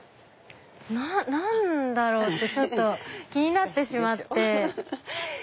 何だろう？ってちょっと気になってしまって。